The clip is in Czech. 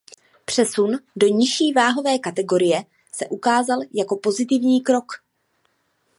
Přesun do nižší váhové kategorie se ukázal jako pozitivní krok.